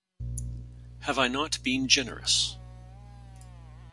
Have I not been generous?